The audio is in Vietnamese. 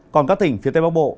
còn các tỉnh phía tây bắc bộ